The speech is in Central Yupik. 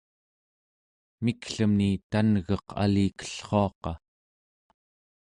miklemni tan'geq alikellruaqa